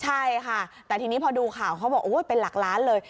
ใช่ค่ะแต่ทีนี้พอดูข่าวเขาบอกโอ้ยเป็นหลักล้านเลย